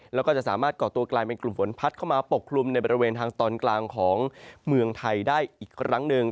แล้วก็จะสามารถก่อตัวกลายเป็นกลุ่มฝนพัดเข้ามาปกคลุมในบริเวณทางตอนกลางของเมืองไทยได้อีกครั้งหนึ่ง